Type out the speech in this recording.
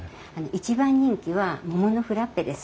一番人気は桃のフラッペです。